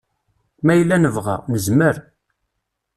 Ma yella nebɣa, nezmer.